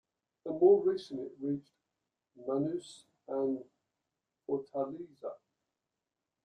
And, more recently, it reached Manaus and Fortaleza.